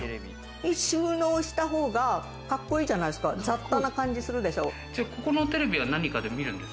収納した方がカッコいいじゃないですか、雑多な感じするでしょ。